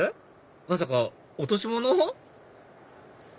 まさか落とし物？